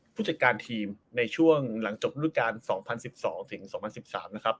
ผู้จัดการทีมในช่วงหลังจบรูปการ๒๐๑๒ถึง๒๐๑๓นะครับ